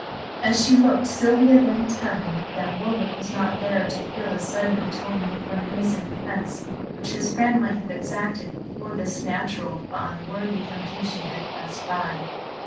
As she looked, Sylvia thanked heaven that Warwick was not there to feel the sudden atonement for an innocent offence which his friend might have exacted before this natural but unworthy temptation had passed by.